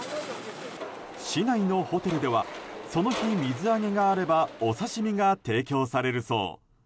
市内のホテルではその日、水揚げがあればお刺身が提供されるそう。